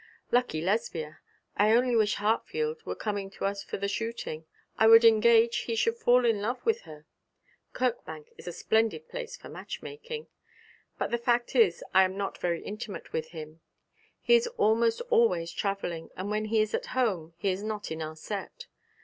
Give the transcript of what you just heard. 'Lucky Lesbia. I only wish Hartfield were coming to us for the shooting. I would engage he should fall in love with her. Kirkbank is a splendid place for match making. But the fact is I am not very intimate with him. He is almost always travelling, and when he is at home he is not in our set.